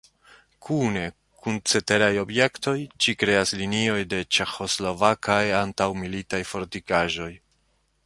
Kune kun ceteraj objektoj ĝi kreas linion de ĉeĥoslovakaj antaŭmilitaj fortikaĵoj.